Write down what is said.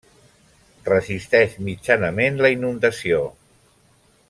Resisteix mitjanament la inundació.